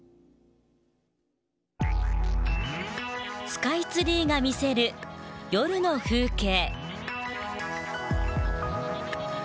スカイツリーが見せる夜の風景。